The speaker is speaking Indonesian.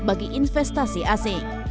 bagi investasi asing